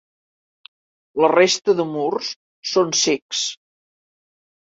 La resta de murs són cecs.